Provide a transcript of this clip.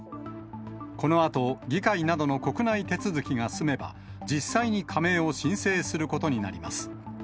このあと議会などの国内手続きが済めば、実際に加盟を申請することになります。